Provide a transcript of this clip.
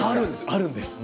あるんです。